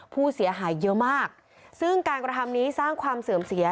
ผู้เสียหายเยอะมากซึ่งการกระทำนี้สร้างความเสื่อมเสีย